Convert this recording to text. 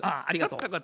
あありがとう。